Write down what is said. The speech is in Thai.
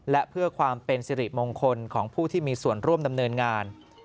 และเพื่อความเป็นสิริมงคลของผู้ที่มีส่วนร่วมดำเนินงาน